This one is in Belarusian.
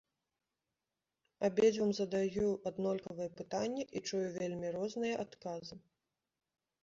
Абедзвюм задаю аднолькавыя пытанні і чую вельмі розныя адказы.